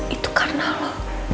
itu karena lo